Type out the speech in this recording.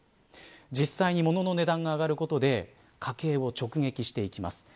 実際に物の値段が上がることで家計を直撃してきます。